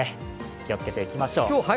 気をつけていきましょう。